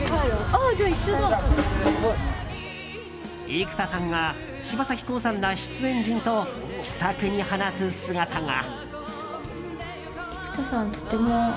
生田さんが柴咲コウさんら出演陣と気さくに話す姿が。